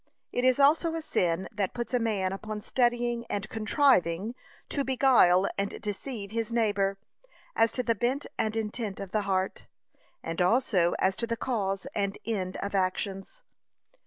It is also a sin that puts a man upon studying and contriving to beguile and deceive his neighbour as to the bent and intent of the heart, and also as to the cause and end of actions.